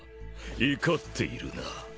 怒っているな。